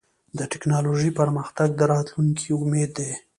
د ټکنالوجۍ پرمختګ د راتلونکي امید دی.